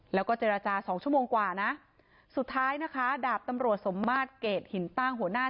แล้วก็เจรจาสองชั่วโมงกว่านะสุดท้ายนะคะดาบตำรวจสมมาตรเกรดหินตั้งหัวหน้า